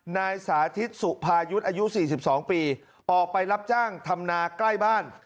นายสาธิตสุภายุทธ์อายุ๔๒ปีออกไปรับจ้างทำนาใกล้บ้าน